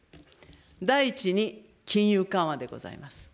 第１に金融緩和でございます。